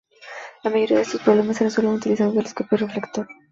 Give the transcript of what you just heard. La mayoría de estos problemas se resuelven utilizando un telescopio reflector.